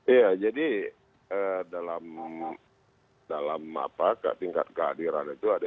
iya jadi dalam tingkat kehadiran itu ada